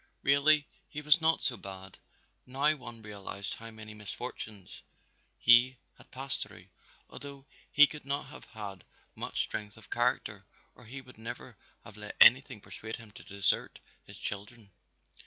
Really he was not so bad, now one realized how many misfortunes he had passed through, although he could not have had much strength of character or he would never have let anything persuade him to desert his children.